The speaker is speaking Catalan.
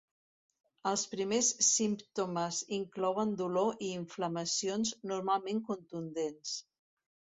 Els primers símptomes inclouen dolor i inflamacions normalment contundents.